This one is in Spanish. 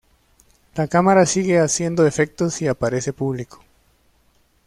La cámara sigue haciendo efectos y aparece público.